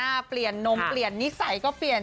เปลี่ยนนมเปลี่ยนนิสัยก็เปลี่ยน